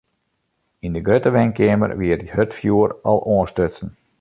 Yn de grutte wenkeamer wie it hurdfjoer al oanstutsen.